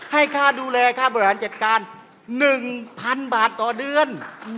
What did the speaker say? ให้ค่าดูแลค่าบริหารจัดการ๑๐๐๐บาทต่อเดือน